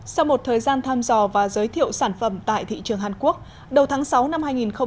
sau một thời gian tham dò và giới thiệu sản phẩm tại thị trường hàn quốc đầu tháng sáu năm hai nghìn hai mươi